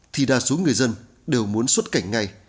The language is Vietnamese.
thì đa số người dân đều muốn xuất cảnh ngay